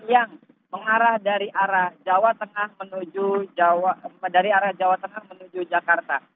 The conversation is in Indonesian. yang mengarah dari arah jawa tengah menuju jakarta